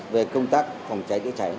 về công tác phòng cháy chữa cháy